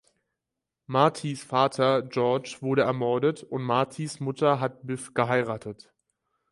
Martys Vater George wurde ermordet, und Martys Mutter hat Biff geheiratet.